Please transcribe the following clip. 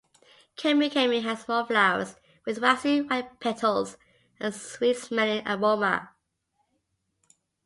Camu camu has small flowers with waxy white petals and a sweet-smelling aroma.